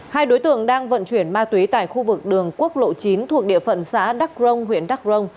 hai đối tượng đang vận chuyển ma túy tại khu vực đường quốc lộ chín thuộc địa phận xã đắc rông huyện đắc rông